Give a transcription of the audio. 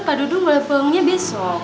pak dudung levelnya besok